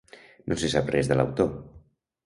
No se sap res de l'autor.